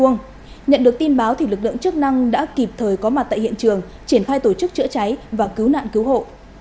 nhận được tin báo thì lực lượng chức năng đã kịp thời có mặt tại hiện trường triển khai tổ chức chữa cháy và cứu nạn cứu hộ